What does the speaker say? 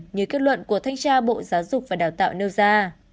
như kết luận của thanh tra bộ giáo dục và đào tạo nêu ra